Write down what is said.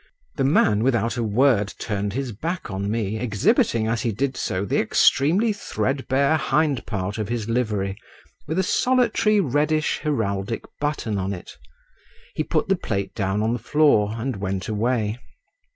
The man without a word turned his back on me, exhibiting as he did so the extremely threadbare hindpart of his livery with a solitary reddish heraldic button on it; he put the plate down on the floor, and went away.